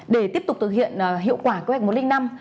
để tiếp tục thực hiện hiệu quả kế hoạch một trăm linh năm